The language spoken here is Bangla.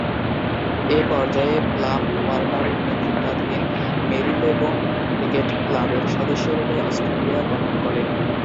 এ পর্যায়ে প্লাম ওয়ার্নারের নেতৃত্বাধীন মেরিলেবোন ক্রিকেট ক্লাবের সদস্যরূপে অস্ট্রেলিয়া গমন করেন।